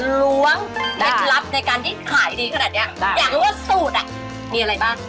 ได้ค่ะดูหวังแรกลับในการที่ขายดีขนาดนี้อย่างนั้นว่าสูตรอ่ะมีอะไรบ้าง